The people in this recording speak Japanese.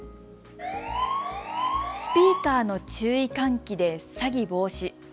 スピーカーの注意喚起で詐欺防止。